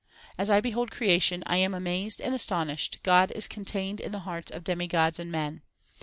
As I behold creation I am amazed and astonished God is contained in the hearts of demigods and men.